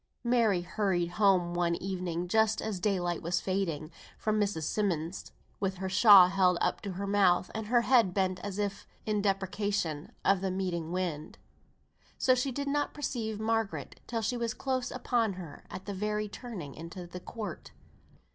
Mary hurried home one evening, just as daylight was fading, from Miss Simmonds', with her shawl held up to her mouth, and her head bent as if in deprecation of the meeting wind. So she did not perceive Margaret till, she was close upon her at the very turning into the court.